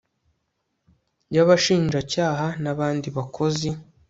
Y ABASHINJACYAHA N ABANDI BAKOZI